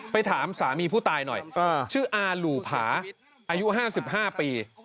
ถามสามีผู้ตายหน่อยชื่ออาหลู่ผาอายุ๕๕ปี